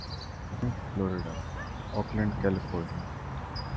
Miami Florida Oakland California